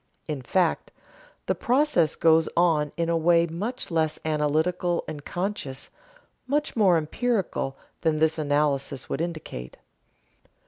In fact the process goes on in a way much less analytical and conscious, much more empirical, than this analysis would indicate.